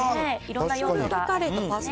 いろんな用途が。